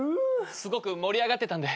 すごく盛り上がってたんで。